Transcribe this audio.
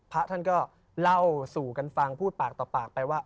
พระท่านก็เล่าสู่กันฟังพูดปากต่อปากไปว่า